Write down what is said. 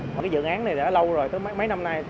mà cái dự án này đã lâu rồi tới mấy năm nay thôi